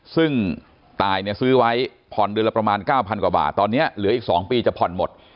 ซึ่งตายเนี่ยซื้อไว้ผ่อนเดือนละประมาณ๙๐๐กว่าบาทตอนนี้เหลืออีก๒ปีจะผ่อนหมด